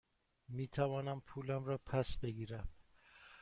می توانم پولم را پس بگیرم؟